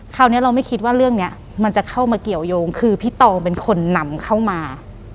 คราวนี้เราไม่คิดว่าเรื่องนี้มันจะเข้ามาเกี่ยวยงคือพี่ตองเป็นคนนำเข้ามา